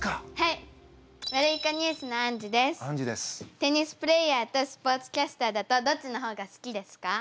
テニスプレーヤーとスポーツキャスターだとどっちの方が好きですか？